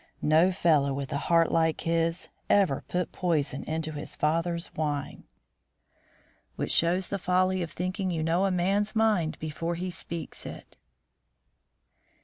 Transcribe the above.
No fellow with a heart like his ever put poison into his father's wine." Which shows the folly of thinking you know a man's mind before he speaks it.